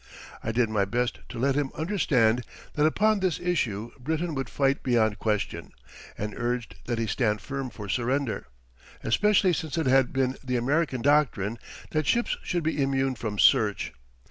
I did my best to let him understand that upon this issue Britain would fight beyond question, and urged that he stand firm for surrender, especially since it had been the American doctrine that ships should be immune from search.